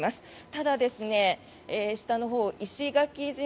ただ、下のほう石垣島